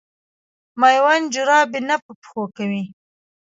مېوند جراپي نه په پښو کوي.